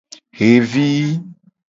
Xevi.